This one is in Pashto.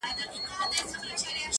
دا د روپیو تاوان څۀ ته وایي ,